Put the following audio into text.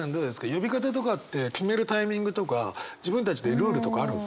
呼び方とかって決めるタイミングとか自分たちでルールとかあるんですか？